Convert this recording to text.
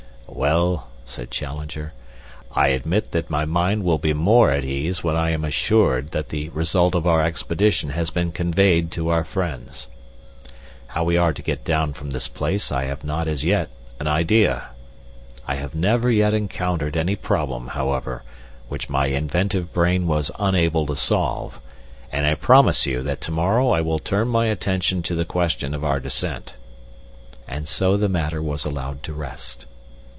"Well," said Challenger, "I admit that my mind will be more at ease when I am assured that the result of our expedition has been conveyed to our friends. How we are to get down from this place I have not as yet an idea. I have never yet encountered any problem, however, which my inventive brain was unable to solve, and I promise you that to morrow I will turn my attention to the question of our descent." And so the matter was allowed to rest.